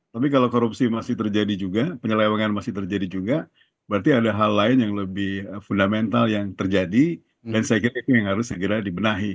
tapi kalau korupsi masih terjadi juga penyelewangan masih terjadi juga berarti ada hal lain yang lebih fundamental yang terjadi dan saya kira itu yang harus segera dibenahi